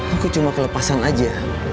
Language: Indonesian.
aku cuma kelepasan aja